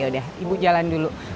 yaudah ibu jalan dulu